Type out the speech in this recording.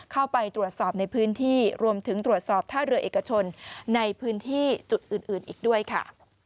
เข้าไปตรวจสอบในพื้นที่รวมถึงตรวจสอบท่าเรือเอกชนในพื้นที่จุดอื่นอีกด้วยค่ะ